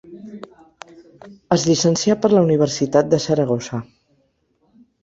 Es llicencià per la Universitat de Saragossa.